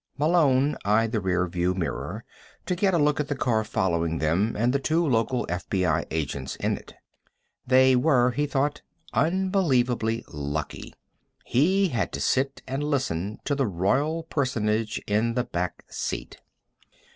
Malone eyed the rear view mirror to get a look at the car following them and the two local FBI agents in it. They were, he thought, unbelievably lucky. He had to sit and listen to the Royal Personage in the back seat.